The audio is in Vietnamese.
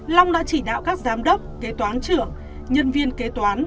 long đã chỉ đạo các giám đốc kế toán trưởng nhân viên kế toán